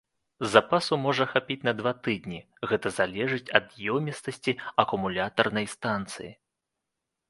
Запасу можа хапіць на два тыдні, гэта залежыць ад ёмістасці акумулятарнай станцыі.